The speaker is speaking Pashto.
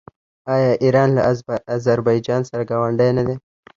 آیا ایران له اذربایجان سره ګاونډی نه دی؟